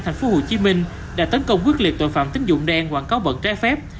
thành phố hồ chí minh đã tấn công quyết liệt tội phạm tính dụng đen quảng cáo bận trái phép